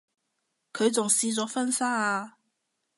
佢仲試咗婚紗啊